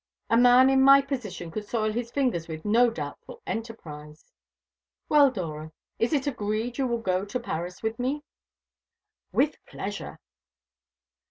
A man in my position could soil his fingers with no doubtful enterprise. Well, Dora, it is agreed you will go to Paris with me?" "With pleasure."